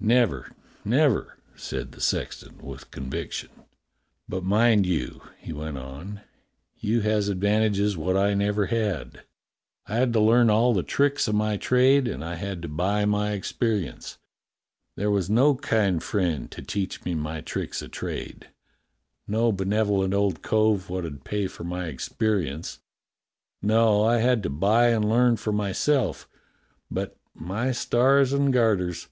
"Never, never!" said the sexton with conviction. "But mind you," he went on, "you has advantages wot I never had. I had to learn all the tricks o' my trade, and I had to buy my experience. There was no kind friend to teach me my tricks o' trade, no benevo lent old cove wot 'ud pay for my experience. No, I had to buy and learn for myself, but, my stars and garters !